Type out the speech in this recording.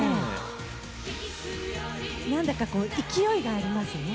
なんだか勢いがありますね。